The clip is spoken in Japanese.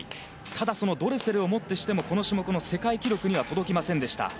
ただ、そのドレセルをもってしてもこの種目の世界記録に届きませんでした。